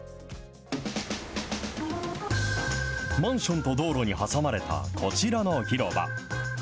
マンションと道路に挟まれたこちらの広場。